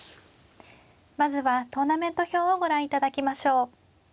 まずはトーナメント表をご覧いただきましょう。